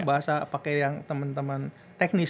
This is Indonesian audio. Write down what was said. bahasa pakai yang teman teman teknis